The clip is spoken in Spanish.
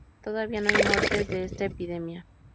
Todavía no hay muertes de esta epidemia.